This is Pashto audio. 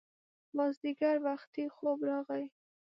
مازیګر وختي خوب راغی